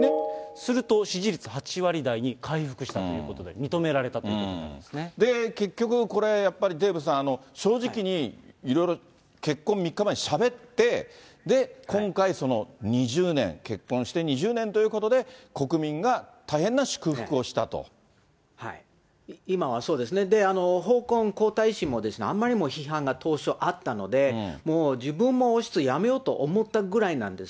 すると支持率８割台に回復したということで、認められたといで、結局これ、やっぱりデーブさん、正直にいろいろ結婚３日前にしゃべって、今回２０年、結婚して２０年ということで、今はそうですね、ホーコン皇太子も、あんまり批判が当初あったので、もう自分も王室やめようと思ったぐらいなんです。